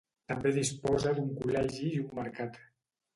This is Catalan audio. També disposa d'un col·legi i un mercat.